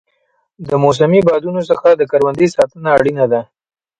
د موسمي بادونو څخه د کروندې ساتنه اړینه ده.